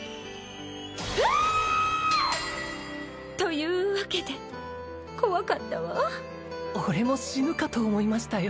きゃ！というわけで怖かったわ俺も死ぬかと思いましたよ